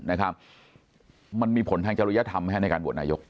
แล้วมันมีผลทางจริยธรรมให้ในการวัดนายก